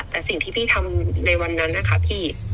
แต่สิ่งที่พี่ทำในวันนั้นนะคะพี่